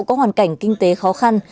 có hoàn cảnh kinh tế khó khăn